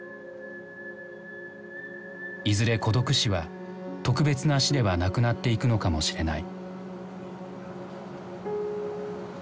いずれ孤独死は特別な死ではなくなっていくのかもしれない。